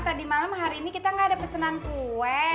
tadi malam hari ini kita gak ada pesanan kue